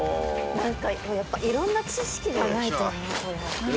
やっぱいろんな知識がないとね